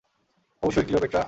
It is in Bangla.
অবশ্যই, ক্লিওপেট্রা!